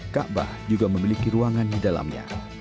kaabah juga memiliki ruangan di dalamnya